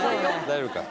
大丈夫か。